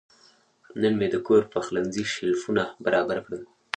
نن مې د کور پخلنځي شیلفونه برابر کړل.